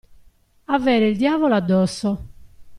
Avere il diavolo addosso.